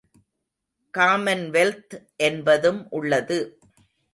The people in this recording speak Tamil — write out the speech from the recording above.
காமன்வெல்த் என்பதும் உள்ளது.